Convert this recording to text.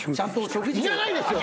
いらないですよ